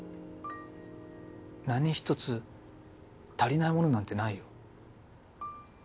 何一つ足りないものなんてないよ。